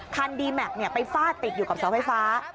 คันดีแมคไปฝ้าติดอยู่กับทราบไฟฟ้า